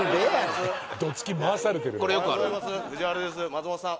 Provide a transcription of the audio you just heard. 松本さん